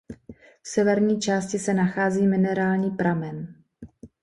V severní části se nachází minerální pramen.